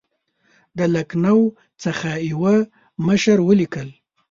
د لکنهو څخه یوه مشر ولیکل.